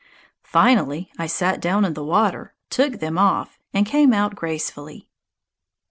Finally I sat down in the water, took them off, and came out gracefully.